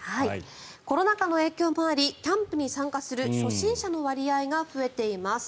コロナ禍の影響もありキャンプに参加する初心者の割合が増えています。